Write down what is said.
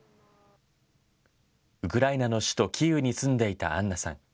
ウクライナの首都キーウに住んでいたアンナさん。